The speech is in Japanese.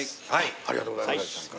ありがとうございます。